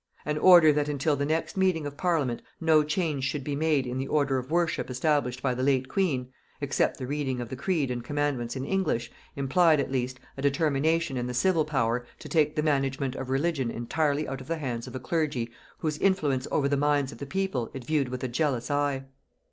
An order that until the next meeting of parliament no change should be made in the order of worship established by the late queen, except the reading of the creed and commandments in English, implied, at least, a determination in the civil power to take the management of religion entirely out of the hands of a clergy whose influence over the minds of the people it viewed with a jealous eye.